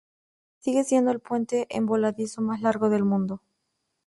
Sigue siendo el puente en voladizo más largo del mundo.